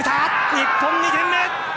日本２点目！